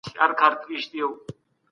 هغه سافټویر چي ما جوړ کړی ډېر چټک دی.